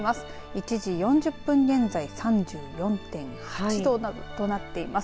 １時４０分現在３４．８度となっています。